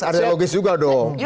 ada logis juga dong